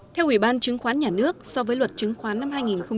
theo ủy ban chứng khoán nhà nước so với luật chứng khoán năm hai nghìn một mươi